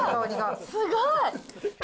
すごい！